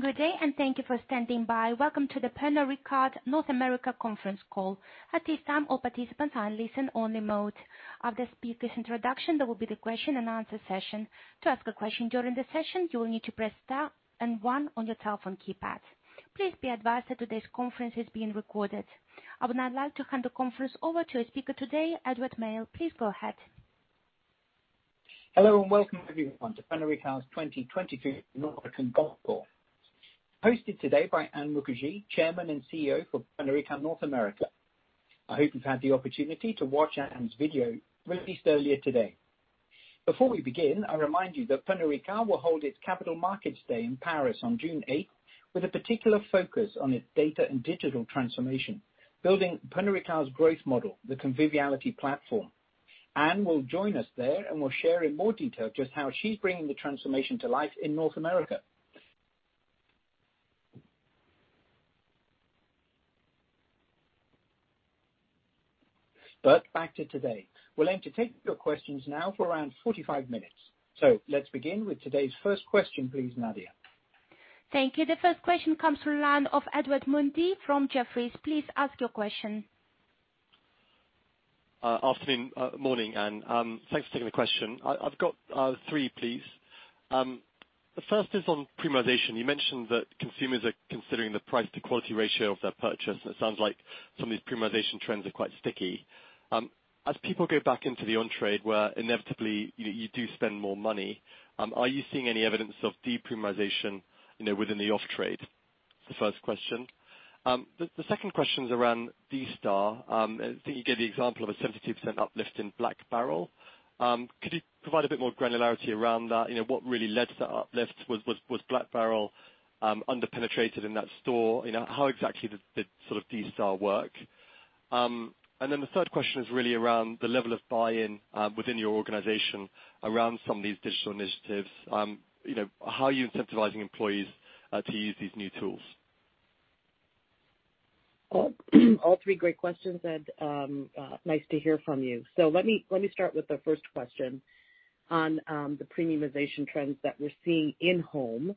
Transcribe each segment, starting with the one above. Good day, and thank you for standing by. Welcome to the Pernod Ricard North America conference call. At this time, all participants are in listen only mode. After speakers' introduction, there will be the question and answer session. To ask a question during the session, you will need to press star and one on your telephone keypad. Please be advised that today's conference is being recorded. I would now like to hand the conference over to our speaker today, Edward Mayle. Please go ahead. Hello, and welcome everyone to Pernod Ricard's 2022 North American hosted today by Ann Mukherjee, Chairman and CEO for Pernod Ricard North America. I hope you've had the opportunity to watch Ann's video released earlier today. Before we begin, I remind you that Pernod Ricard will hold its capital markets day in Paris on June eighth, with a particular focus on its data and digital transformation, building Pernod Ricard's growth model, the Conviviality Platform. Ann will join us there and will share in more detail just how she's bringing the transformation to life in North America. Back to today. We'll entertain your questions now for around 45 minutes. Let's begin with today's first question, please, Nadia. Thank you. The first question comes from the line of Edward Mundy from Jefferies. Please ask your question. Morning, Ann. Thanks for taking the question. I've got three, please. The first is on premiumization. You mentioned that consumers are considering the price to quality ratio of their purchase, and it sounds like some of these premiumization trends are quite sticky. As people go back into the on-trade where inevitably, you do spend more money, are you seeing any evidence of de-premiumization, you know, within the off-trade? It's the first question. The second question is around D-Star. I think you gave the example of a 72% uplift in Black Barrel. Could you provide a bit more granularity around that? You know, what really led to that uplift? Was Black Barrel under-penetrated in that store? You know, how exactly did sort of D-Star work? The third question is really around the level of buy-in within your organization around some of these digital initiatives. You know, how are you incentivizing employees to use these new tools? All three great questions, Ed. Nice to hear from you. Let me start with the first question on the premiumization trends that we're seeing in-home.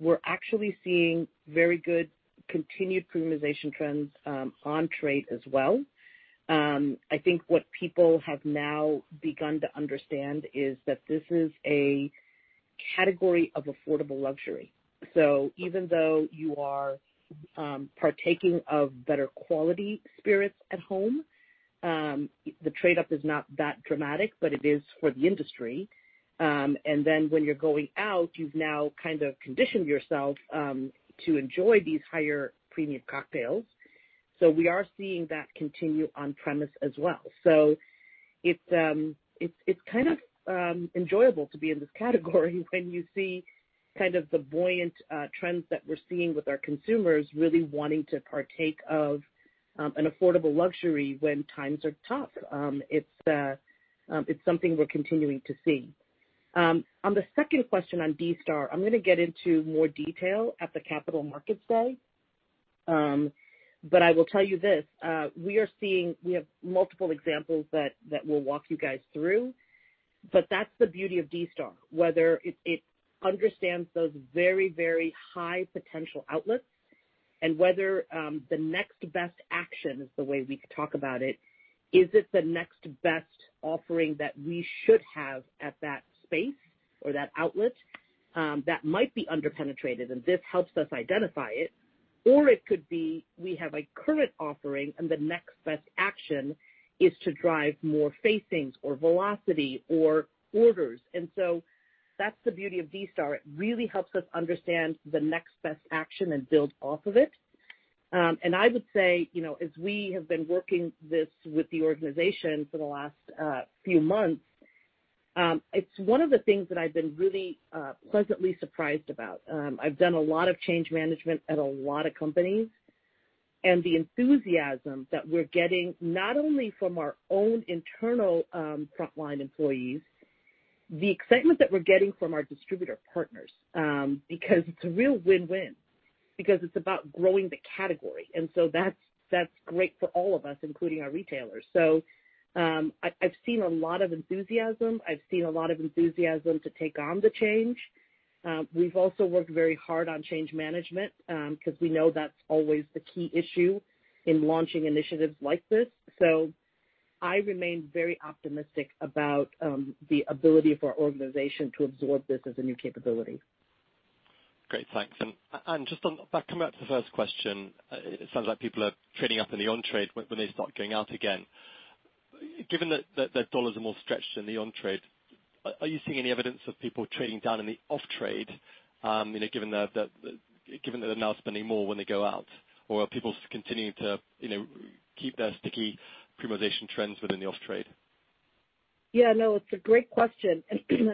We're actually seeing very good continued premiumization trends, on-trade as well. I think what people have now begun to understand is that this is a category of affordable luxury. Even though you are partaking of better quality spirits at home, the trade-up is not that dramatic, but it is for the industry. When you're going out, you've now kind of conditioned yourself to enjoy these higher premium cocktails. We are seeing that continue on premise as well. It's kind of enjoyable to be in this category when you see kind of the buoyant trends that we're seeing with our consumers really wanting to partake of an affordable luxury when times are tough. It's something we're continuing to see. On the second question on D-Star, I'm gonna get into more detail at the Capital Markets Day. I will tell you this, we are seeing. We have multiple examples that we'll walk you guys through, but that's the beauty of D-Star, whether it understands those very, very high potential outlets and whether the next best action is the way we talk about it. Is it the next best offering that we should have at that space or that outlet that might be under-penetrated? This helps us identify it. Or it could be we have a current offering and the next best action is to drive more facings or velocity or orders. That's the beauty of D-Star. It really helps us understand the next best action and build off of it. I would say, you know, as we have been working this with the organization for the last few months, it's one of the things that I've been really pleasantly surprised about. I've done a lot of change management at a lot of companies, and the enthusiasm that we're getting, not only from our own internal frontline employees, the excitement that we're getting from our distributor partners, because it's a real win-win because it's about growing the category. That's great for all of us, including our retailers. I've seen a lot of enthusiasm. I've seen a lot of enthusiasm to take on the change. We've also worked very hard on change management, 'cause we know that's always the key issue in launching initiatives like this. I remain very optimistic about the ability of our organization to absorb this as a new capability. Great. Thanks. coming back to the first question, it sounds like people are trading up in the on-trade when they start going out again. Given that their dollars are more stretched in the on-trade, are you seeing any evidence of people trading down in the off-trade, you know, given that they're now spending more when they go out? Or are people continuing to, you know, keep their sticky premiumization trends within the off-trade? Yeah, no, it's a great question.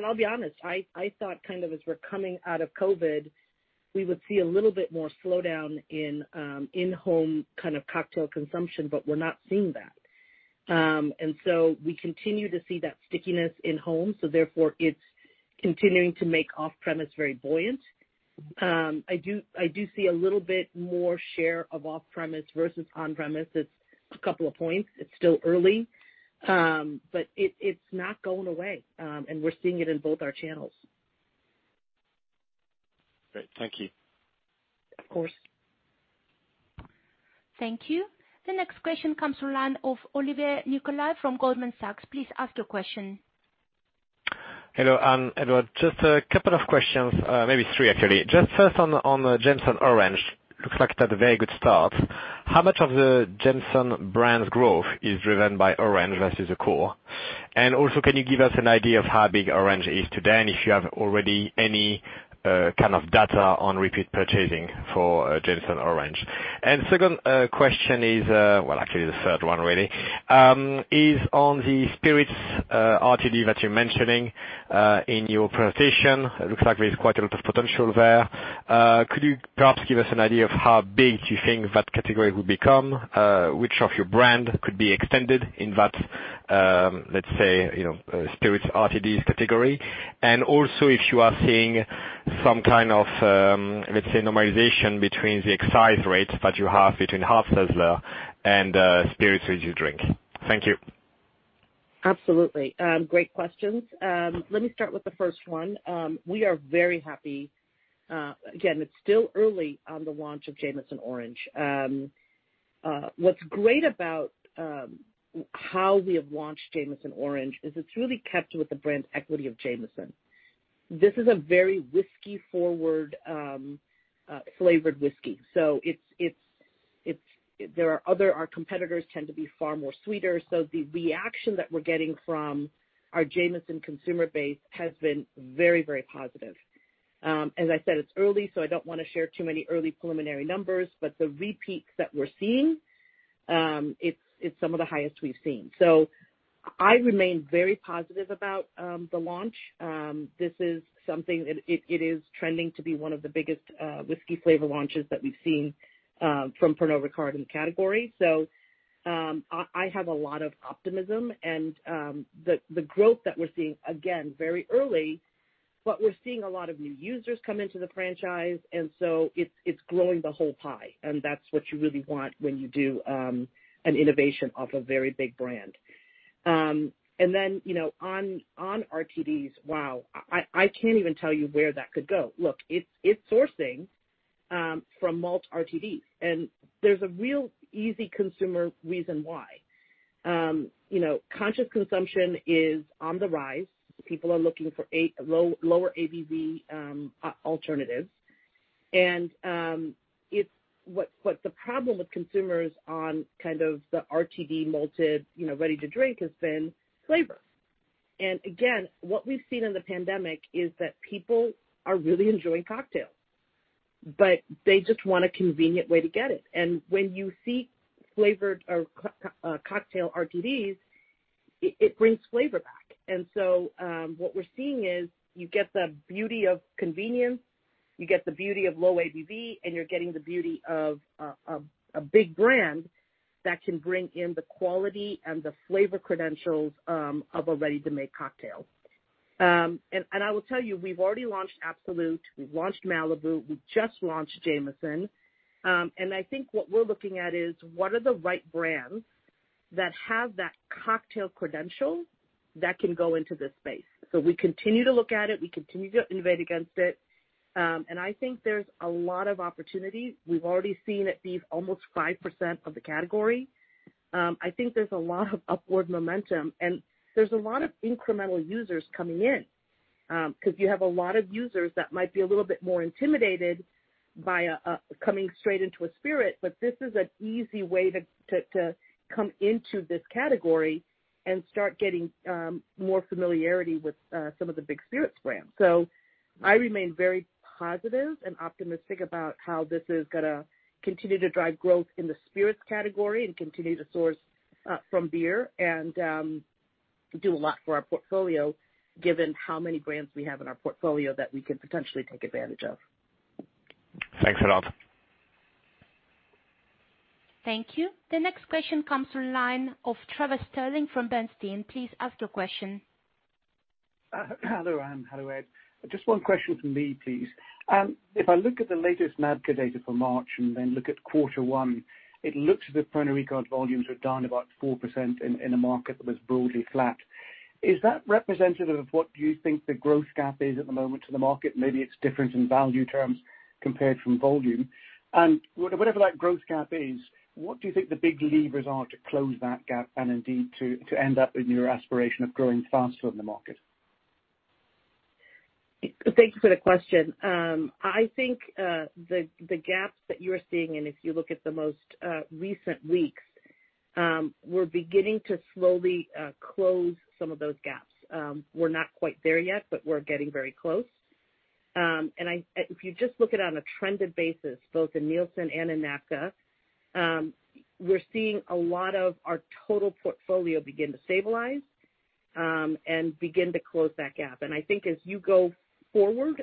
I'll be honest, I thought kind of as we're coming out of COVID, we would see a little bit more slowdown in in-home kind of cocktail consumption, but we're not seeing that. We continue to see that stickiness in-home, so therefore it's continuing to make off-premise very buoyant. I do see a little bit more share of off-premise versus on-premise. It's a couple of points. It's still early, but it's not going away, and we're seeing it in both our channels. Great. Thank you. Of course. Thank you. The next question comes from the line of Jean-Olivier Nicolai from Goldman Sachs. Please ask your question. Hello, Ann, Edward. Just a couple of questions, maybe three, actually. Just first on Jameson Orange. Looks like it's had a very good start. How much of the Jameson brand's growth is driven by Orange versus the core? And also, can you give us an idea of how big Orange is today, and if you have already any kind of data on repeat purchasing for Jameson Orange? And second question is, well, actually the third one really, is on the Spirits RTD that you're mentioning in your presentation. It looks like there's quite a lot of potential there. Could you perhaps give us an idea of how big do you think that category will become? Which of your brand could be extended in that, let's say, you know, Spirits RTDs category? Also, if you are seeing some kind of, let's say, normalization between the excise rates that you have between hard seltzer and spirits ready to drink. Thank you. Absolutely. Great questions. Let me start with the first one. We are very happy. Again, it's still early on the launch of Jameson Orange. What's great about how we have launched Jameson Orange is it's really kept with the brand equity of Jameson. This is a very whiskey-forward flavored whiskey. So it's. Our competitors tend to be far more sweeter. So the reaction that we're getting from our Jameson consumer base has been very, very positive. As I said, it's early, so I don't wanna share too many early preliminary numbers, but the repeats that we're seeing, it's some of the highest we've seen. So I remain very positive about the launch. This is something that it is trending to be one of the biggest whiskey flavor launches that we've seen from Pernod Ricard in the category. I have a lot of optimism and the growth that we're seeing, again, very early, but we're seeing a lot of new users come into the franchise, and so it's growing the whole pie, and that's what you really want when you do an innovation of a very big brand. You know, on RTDs, wow, I can't even tell you where that could go. Look, it's sourcing from malt RTDs, and there's a real easy consumer reason why. You know, conscious consumption is on the rise. People are looking for lower ABV alternatives. What the problem with consumers on kind of the RTD malted, you know, ready-to-drink has been flavor. Again, what we've seen in the pandemic is that people are really enjoying cocktails, but they just want a convenient way to get it. When you see flavored or cocktail RTDs, it brings flavor back. What we're seeing is you get the beauty of convenience, you get the beauty of low ABV, and you're getting the beauty of a big brand that can bring in the quality and the flavor credentials of a ready-to-make cocktail. I will tell you, we've already launched Absolut, we've launched Malibu, we just launched Jameson. I think what we're looking at is what are the right brands that have that cocktail credential that can go into this space. We continue to look at it, we continue to innovate against it. I think there's a lot of opportunity. We've already seen it be almost 5% of the category. I think there's a lot of upward momentum, and there's a lot of incremental users coming in, 'cause you have a lot of users that might be a little bit more intimidated by coming straight into a spirit, but this is an easy way to come into this category and start getting more familiarity with some of the big spirits brands. I remain very positive and optimistic about how this is gonna continue to drive growth in the spirits category and continue to source from beer and do a lot for our portfolio, given how many brands we have in our portfolio that we can potentially take advantage of. Thanks a lot. Thank you. The next question comes from the line of Trevor Stirling from Bernstein. Please ask your question. Hello, Anne. Hello, Ed. Just one question from me, please. If I look at the latest NABCA data for March and then look at quarter one, it looks as if Pernod Ricard volumes are down about 4% in a market that was broadly flat. Is that representative of what you think the growth gap is at the moment to the market? Maybe it's different in value terms compared from volume. Whatever that growth gap is, what do you think the big levers are to close that gap and indeed to end up in your aspiration of growing faster than the market? Thank you for the question. I think the gaps that you're seeing, and if you look at the most recent weeks, we're beginning to slowly close some of those gaps. We're not quite there yet, but we're getting very close. I, if you just look at it on a trended basis, both in Nielsen and in NABCA, we're seeing a lot of our total portfolio begin to stabilize, and begin to close that gap. I think as you go forward,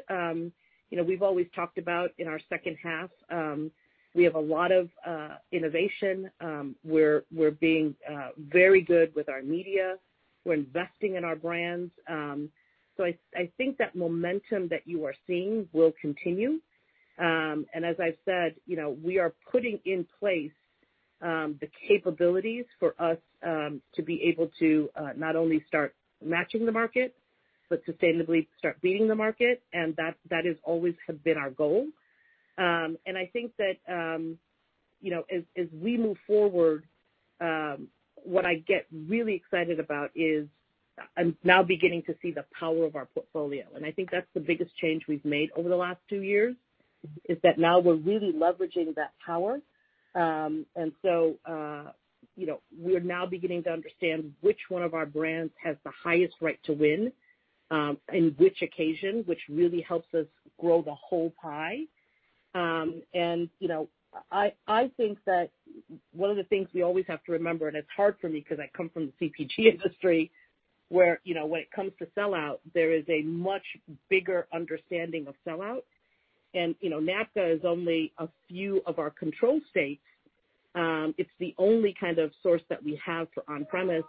you know, we've always talked about in our second half, we have a lot of innovation. We're being very good with our media. We're investing in our brands. I think that momentum that you are seeing will continue. As I've said, you know, we are putting in place the capabilities for us to be able to not only start matching the market but sustainably start beating the market, and that is always have been our goal. I think that, you know, as we move forward, what I get really excited about is I'm now beginning to see the power of our portfolio. I think that's the biggest change we've made over the last two years, is that now we're really leveraging that power. You know, we're now beginning to understand which one of our brands has the highest right to win, and which occasion, which really helps us grow the whole pie. You know, I think that one of the things we always have to remember, and it's hard for me because I come from the CPG industry where, you know, when it comes to sell-out, there is a much bigger understanding of sell-out. You know, NABCA is only a few of our control states. It's the only kind of source that we have for on-premise.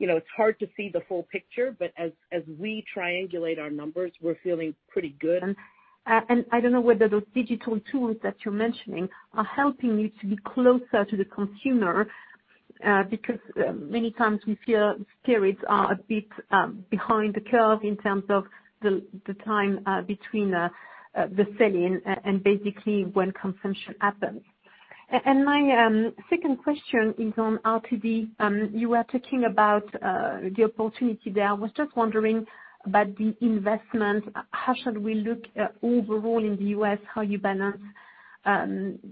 You know, it's hard to see the whole picture. As we triangulate our numbers, we're feeling pretty good. I don't know whether those digital tools that you're mentioning are helping you to be closer to the consumer, because many times we feel spirits are a bit behind the curve in terms of the time between the selling and basically when consumption happens. My second question is on RTD. You were talking about the opportunity there. I was just wondering about the investment. How should we look overall in the U.S., how you balance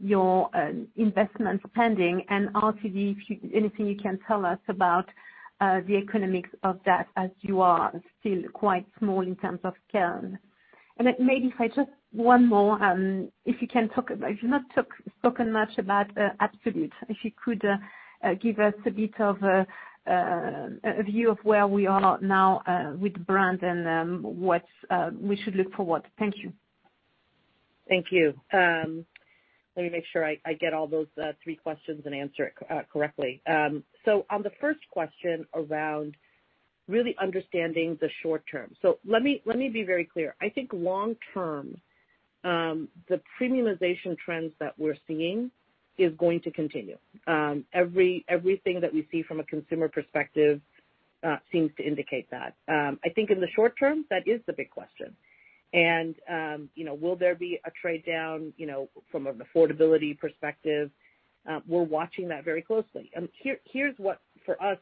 your investment spending and RTD, if anything you can tell us about the economics of that as you are still quite small in terms of scale. Maybe if I just one more, if you've not spoken much about Absolut, if you could give us a bit of a view of where we are now with brand and what we should look for. Thank you. Thank you. Let me make sure I get all those three questions and answer it correctly. On the first question around really understanding the short term, let me be very clear. I think long term, the premiumization trends that we're seeing is going to continue. Everything that we see from a consumer perspective seems to indicate that. I think in the short term, that is the big question. You know, will there be a trade down, you know, from an affordability perspective? We're watching that very closely. Here's what for us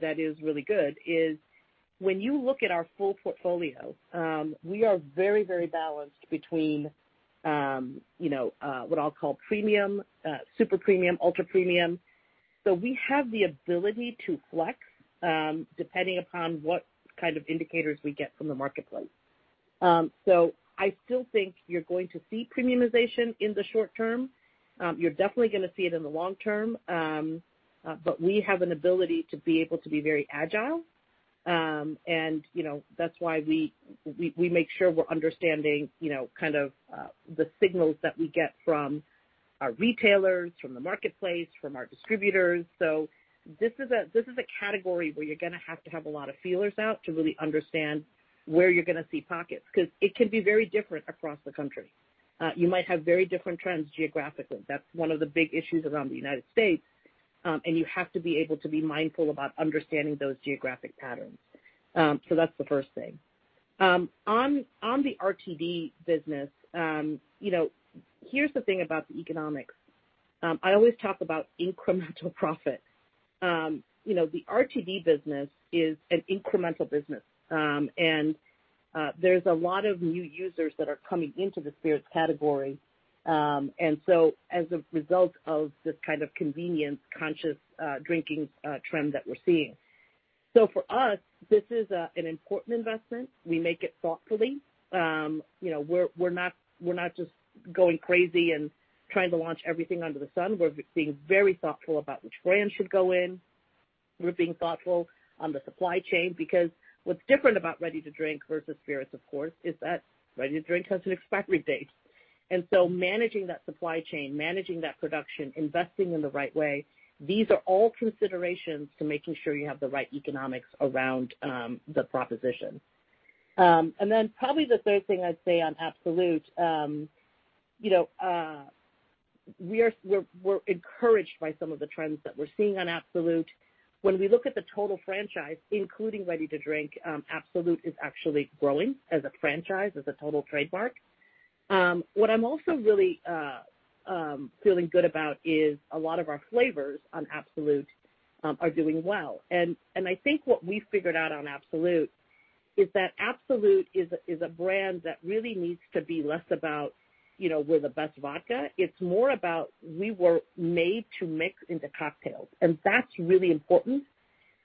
that is really good, is when you look at our full portfolio, we are very, very balanced between, you know, what I'll call premium, super premium, ultra premium. We have the ability to flex, depending upon what kind of indicators we get from the marketplace. I still think you're going to see premiumization in the short term. You're definitely gonna see it in the long term. We have an ability to be able to be very agile. You know, that's why we make sure we're understanding, you know, kind of, the signals that we get from our retailers, from the marketplace, from our distributors. This is a category where you're gonna have to have a lot of feelers out to really understand where you're gonna see pockets, 'cause it can be very different across the country. You might have very different trends geographically. That's one of the big issues around the United States. You have to be able to be mindful about understanding those geographic patterns. That's the first thing. On the RTD business, you know, here's the thing about the economics. I always talk about incremental profit. You know, the RTD business is an incremental business. There's a lot of new users that are coming into the spirits category. As a result of this kind of convenience conscious drinking trend that we're seeing. For us, this is an important investment. We make it thoughtfully. You know, we're not just going crazy and trying to launch everything under the sun. We're being very thoughtful about which brands should go in. We're being thoughtful on the supply chain because what's different about ready to drink versus spirits, of course, is that ready to drink has an expiry date. Managing that supply chain, managing that production, investing in the right way, these are all considerations to making sure you have the right economics around the proposition. Probably the third thing I'd say on Absolut, we're encouraged by some of the trends that we're seeing on Absolut. When we look at the total franchise, including ready to drink, Absolut is actually growing as a franchise, as a total trademark. What I'm also really feeling good about is a lot of our flavors on Absolut are doing well. I think what we figured out on Absolut is that Absolut is a brand that really needs to be less about, you know, we're the best vodka. It's more about we were made to mix into cocktails. That's really important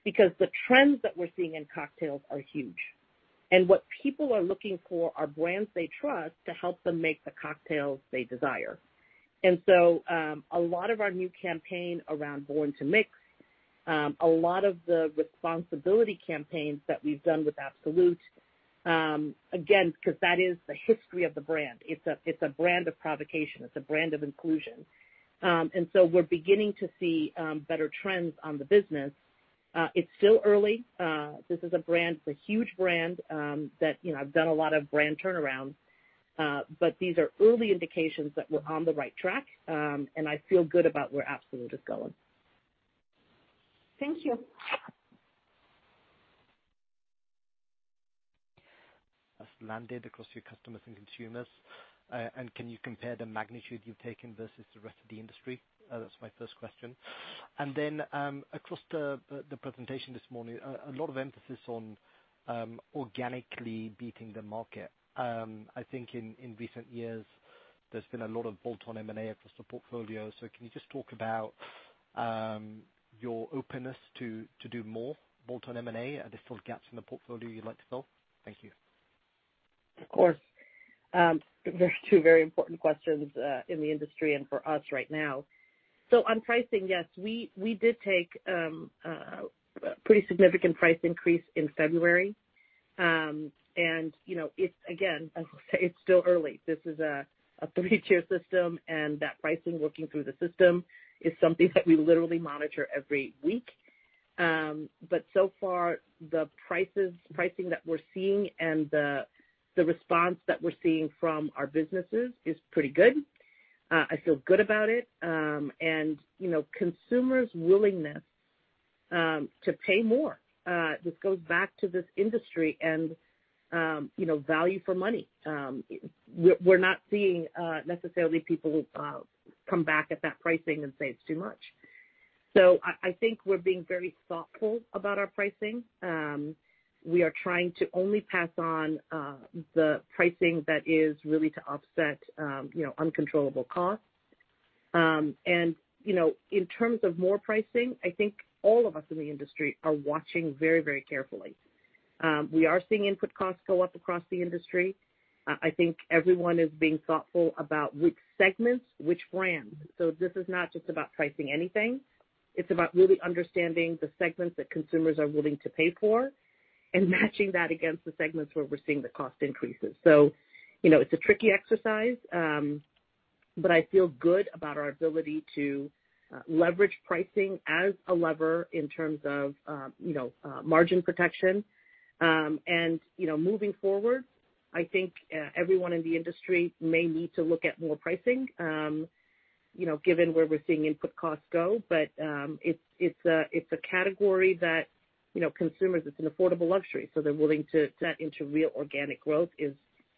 because the trends that we're seeing in cocktails are huge. What people are looking for are brands they trust to help them make the cocktails they desire. A lot of our new campaign around Born to Mix, a lot of the responsibility campaigns that we've done with Absolut, again, 'cause that is the history of the brand. It's a brand of provocation. It's a brand of inclusion. We're beginning to see better trends on the business. It's still early. This is a brand. It's a huge brand, that, you know, I've done a lot of brand turnarounds, but these are early indications that we're on the right track, and I feel good about where Absolut is going. Thank you. Has landed across your customers and consumers. Can you compare the magnitude you've taken versus the rest of the industry? That's my first question. Across the presentation this morning, a lot of emphasis on organically beating the market. I think in recent years, there's been a lot of bolt-on M&A across the portfolio. Can you just talk about your openness to do more bolt-on M&A? Are there still gaps in the portfolio you'd like to fill? Thank you. Of course. Two very important questions in the industry and for us right now. On pricing, yes, we did take pretty significant price increase in February. You know, it's again, I will say it's still early. This is a three-tier system, and that pricing working through the system is something that we literally monitor every week. So far, the prices, pricing that we're seeing and the response that we're seeing from our businesses is pretty good. I feel good about it. You know, consumers' willingness to pay more, this goes back to this industry and you know, value for money. We're not seeing necessarily people come back at that pricing and say it's too much. I think we're being very thoughtful about our pricing. We are trying to only pass on the pricing that is really to offset you know uncontrollable costs. You know, in terms of more pricing, I think all of us in the industry are watching very, very carefully. We are seeing input costs go up across the industry. I think everyone is being thoughtful about which segments, which brands. This is not just about pricing anything. It's about really understanding the segments that consumers are willing to pay for and matching that against the segments where we're seeing the cost increases. You know, it's a tricky exercise, but I feel good about our ability to leverage pricing as a lever in terms of you know margin protection. You know, moving forward, I think everyone in the industry may need to look at more pricing, you know, given where we're seeing input costs go. But it's a category that, you know, consumers, it's an affordable luxury, so they're willing to into real organic growth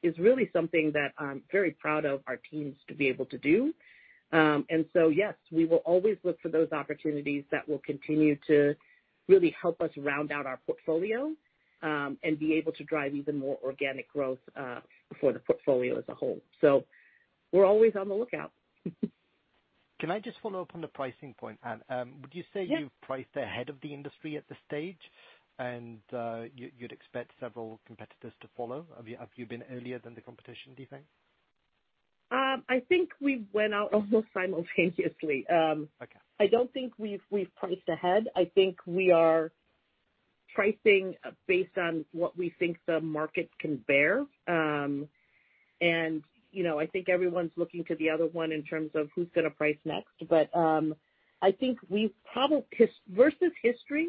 is really something that I'm very proud of our teams to be able to do. Yes, we will always look for those opportunities that will continue to really help us round out our portfolio, and be able to drive even more organic growth for the portfolio as a whole. We're always on the lookout. Can I just follow up on the pricing point, Ann? Yes. Would you say you've priced ahead of the industry at this stage and you'd expect several competitors to follow? Have you been earlier than the competition, do you think? I think we went out almost simultaneously. Okay. I don't think we've priced ahead. I think we are pricing based on what we think the market can bear. You know, I think everyone's looking to the other one in terms of who's gonna price next. I think we've probably, versus history,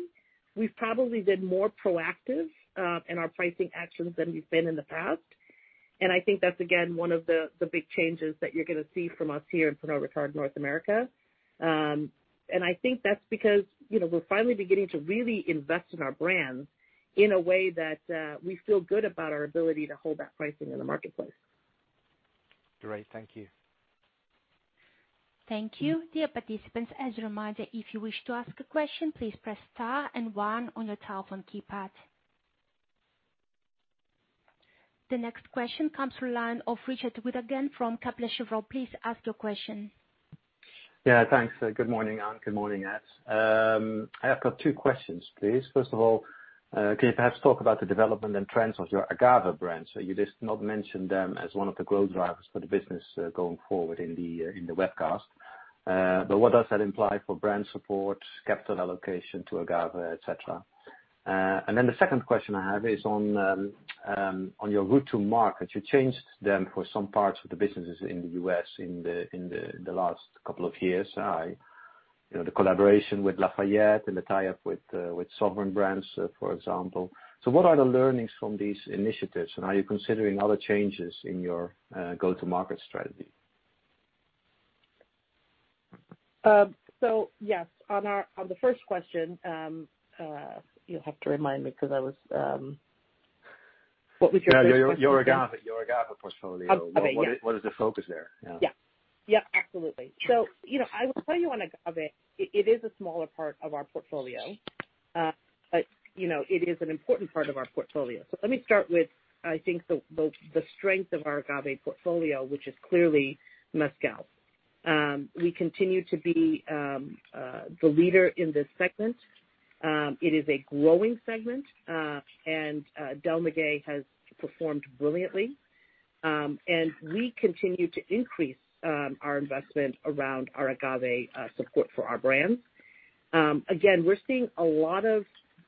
been more proactive in our pricing actions than we've been in the past. I think that's again one of the big changes that you're gonna see from us here in Pernod Ricard North America. I think that's because, you know, we're finally beginning to really invest in our brands in a way that we feel good about our ability to hold that pricing in the marketplace. Great. Thank you. Thank you. Dear participants, as a reminder, if you wish to ask a question, please press star and one on your telephone keypad. The next question comes from the line of Richard Withagen again from Kepler Cheuvreux. Please ask your question. Yeah, thanks. Good morning, Ann. Good morning, Abs. I have got two questions, please. First of all, can you perhaps talk about the development and trends of your Agave brand? So you just mentioned them as one of the growth drivers for the business, going forward in the webcast. And then the second question I have is on your go-to-market. You changed them for some parts of the businesses in the U.S. in the last couple of years. You know, the collaboration with Lafite and the tie-up with Sovereign Brands, for example. So what are the learnings from these initiatives, and are you considering other changes in your go-to-market strategy? Yes, on the first question, you'll have to remind me 'cause I was. What was your first question? Yeah. Your agave portfolio. Okay. Yeah. What is the focus there? Yeah. Yeah. Yeah, absolutely. You know, I will tell you on agave, it is a smaller part of our portfolio. But you know, it is an important part of our portfolio. Let me start with, I think the strength of our agave portfolio, which is clearly Mezcal. We continue to be the leader in this segment. It is a growing segment, and Del Maguey has performed brilliantly. And we continue to increase our investment around our agave support for our brands. Again, we're seeing a lot of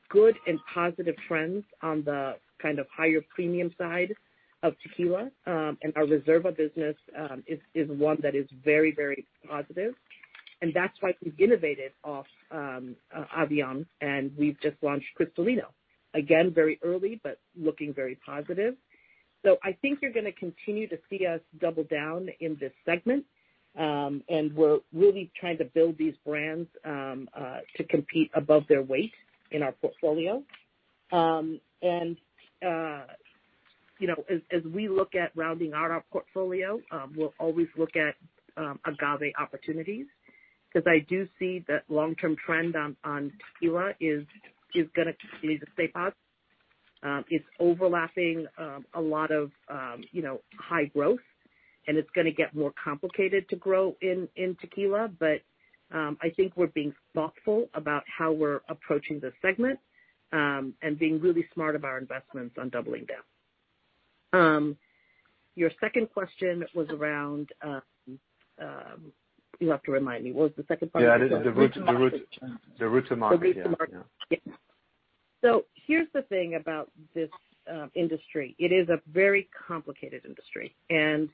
good and positive trends on the kind of higher premium side of tequila. And our Reserva business is one that is very, very positive, and that's why we've innovated off Avión, and we've just launched Cristalino. Again, very early but looking very positive. I think you're gonna continue to see us double down in this segment, and we're really trying to build these brands to compete above their weight in our portfolio. You know, as we look at rounding out our portfolio, we'll always look at agave opportunities, 'cause I do see the long-term trend on tequila is gonna continue to stay hot. It's overlapping a lot of you know, high growth, and it's gonna get more complicated to grow in tequila. I think we're being thoughtful about how we're approaching the segment, and being really smart about our investments on doubling down. Your second question was around. You'll have to remind me. What was the second part? Yeah. The route to market. The route to market. Yeah. Yeah. Here's the thing about this industry. It is a very complicated industry, and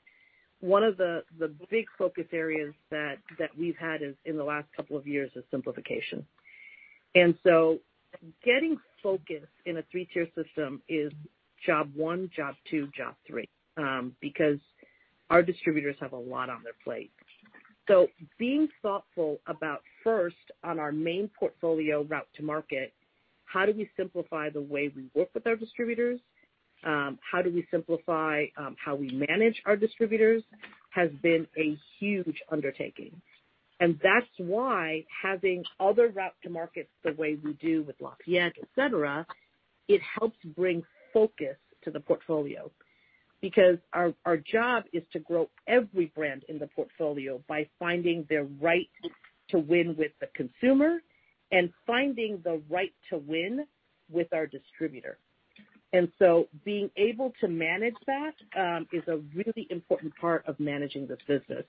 one of the big focus areas that we've had is, in the last couple of years, is simplification. Getting focus in a three-tier system is job one, job two, job three, because our distributors have a lot on their plate. Being thoughtful about, first, on our main portfolio route to market, how do we simplify the way we work with our distributors, how we simplify, how we manage our distributors, has been a huge undertaking. That's why having other route to markets the way we do with Laffite, et cetera, it helps bring focus to the portfolio. Because our job is to grow every brand in the portfolio by finding their right to win with the consumer and finding the right to win with our distributor. Being able to manage that is a really important part of managing this business.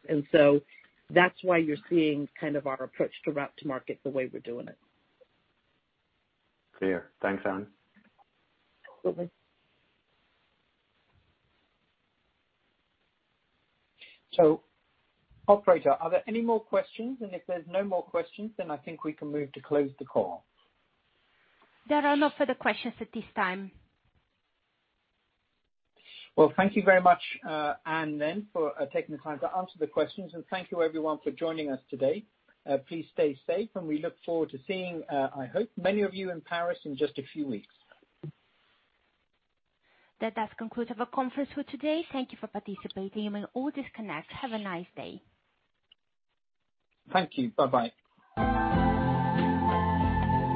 That's why you're seeing kind of our approach to route to market the way we're doing it. Clear. Thanks, Anne. Absolutely. Operator, are there any more questions? If there's no more questions, then I think we can move to close the call. There are no further questions at this time. Well, thank you very much, Anne, then, for taking the time to answer the questions, and thank you everyone for joining us today. Please stay safe, and we look forward to seeing, I hope, many of you in Paris in just a few weeks. That does conclude our conference for today. Thank you for participating. You may all disconnect. Have a nice day. Thank you. Bye-bye.